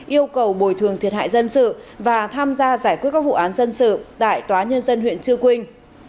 yêu cầu bồi thường thiệt hại dân sự và tham gia giải quyết các vụ án dân sự tại tòa nhân dân huyện chư quynh